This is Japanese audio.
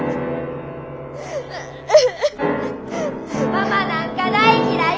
ママなんか大嫌い！